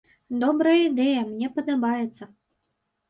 Добрая ідэя, мне падабаецца.